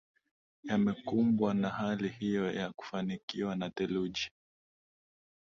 yamekumbwa na hali hiyo ya kufunikwa na theluji